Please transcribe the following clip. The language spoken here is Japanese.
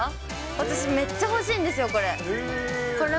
私、めっちゃほしいんですよ、これ。